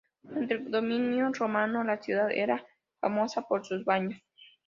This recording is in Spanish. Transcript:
Durante el dominio romano, la ciudad era famosa por sus baños.